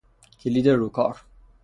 کلید روکار